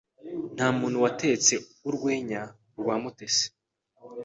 Ntamuntu wasetse urwenya rwa Mutesi.